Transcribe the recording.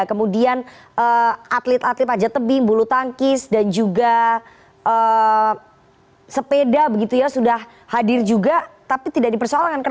kemudian atlet atlet pajatebing bulu tangkis dan juga sepeda begitu ya sudah hadir juga tapi tidak dipersoalkan